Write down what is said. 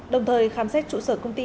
đồng thời khám xét trụ sở công ty